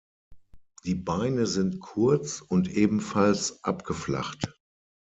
Die Beine sind kurz und ebenfalls abgeflacht.